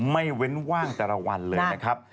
ไม่เว้นว่างแต่ละวันเลยนะครับ